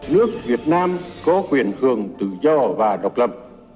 nước việt nam có quyền hưởng tự do và độc lập